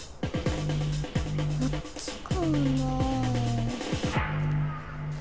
こっちかもなあ。